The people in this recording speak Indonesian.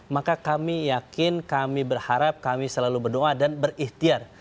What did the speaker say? maka kami yakin kami berharap kami selalu berdoa dan berikhtiar